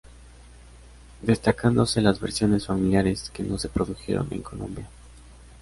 Destacándose las versiones familiares, que no se produjeron en Colombia.